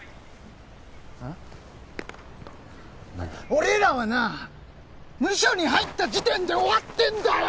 俺らはなムショに入った時点で終わってんだよ！